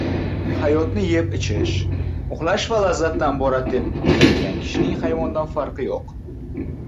• Hayotni yeb-ichish, uxlash va lazzatdan iborat deb bilgan kishining hayvondan farqi yo‘q.